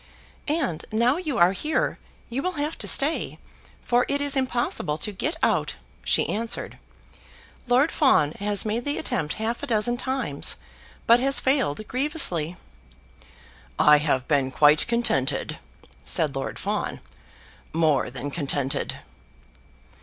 "And now you are here, you will have to stay, for it is impossible to get out," she answered. "Lord Fawn has made the attempt half a dozen times, but has failed grievously." "I have been quite contented," said Lord Fawn; "more than contented."